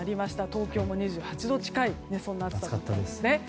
東京も２８度近い暑かったんですね。